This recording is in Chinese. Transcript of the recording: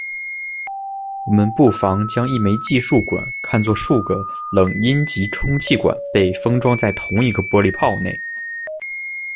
我们不妨将一枚计数管看作数个冷阴极充气管被封装在同一个玻璃泡内。